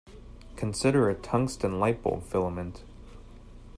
Consider a tungsten light-bulb filament.